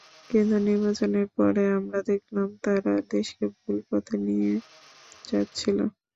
কিন্তু নির্বাচনের পরে আমরা দেখলাম, তারা দেশকে ভুল পথে নিয়ে যাচ্ছিল।